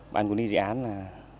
bàn của nhi dự án là